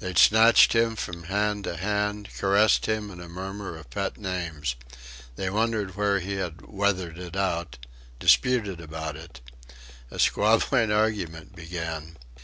They snatched him from hand to hand, caressed him in a murmur of pet names. They wondered where he had "weathered it out;" disputed about it. A squabbling argument began.